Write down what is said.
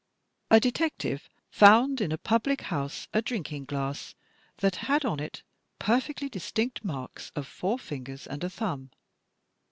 A de tective found in a public house a drinking glass that had on it perfectly distinct marks of four fingers and a thumb.